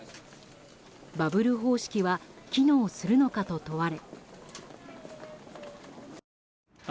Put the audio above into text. バブル方式は機能するのかと問われ。